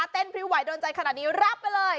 พริ้วไหวโดนใจขนาดนี้รับไปเลย